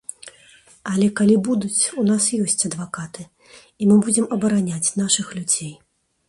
Але калі будуць, у нас ёсць адвакаты, і мы будзем абараняць нашых людзей.